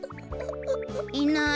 いない。